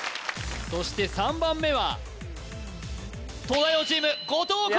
そして３番目は東大王チーム後藤弘！